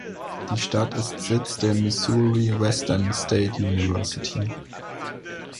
Die Stadt ist Sitz der Missouri Western State University.